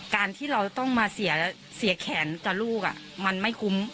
การที่เราต้องมาเสียแขนกับลูกมันไม่คุ้ม